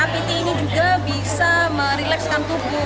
nabati ini juga bisa merelaxkan tubuh